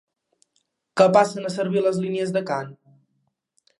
Què passen a servir les línies de cant?